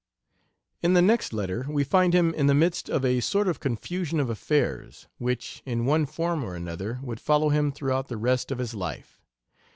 In the next letter we find him in the midst of a sort of confusion of affairs, which, in one form or another, would follow him throughout the rest of his life.